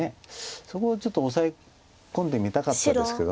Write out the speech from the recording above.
そこをちょっとオサエ込んでみたかったですけど。